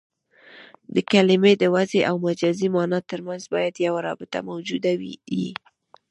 د کلمې د وضعي او مجازي مانا ترمنځ باید یوه رابطه موجوده يي.